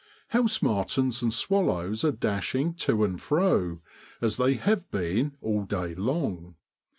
House martins and swallows are dashing to and fro, as they have been all day long.